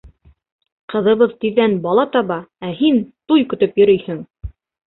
Ҡыҙыбыҙ тиҙҙән бала таба, ә һин туй көтөп йөрөйһөң!